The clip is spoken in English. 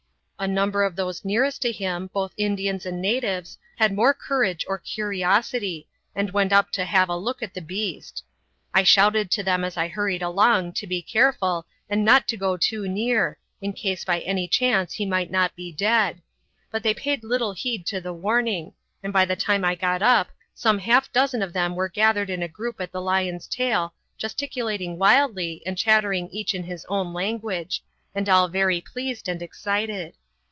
A number of those nearest to him, both Indians and natives, had more courage or curiosity, and went up to have a look at the beast. I shouted to them as I hurried along to be careful and not to go too near, in case by any chance he might not be dead; but they paid little heed to the warning, and by the time I got up, some half dozen of them were gathered in a group at the lion's tail, gesticulating wildly and chattering each in his own language, and all very pleased and excited.